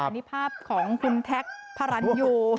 นี่ภาพของคุณแท็กพระรันยู